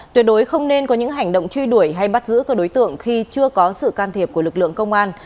tuyệt đối không nên có những hành động truy đuổi hay bắt giữ các đối tượng khi chưa có sự can thiệp của lực lượng công an